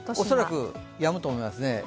恐らく、やむと思いますね。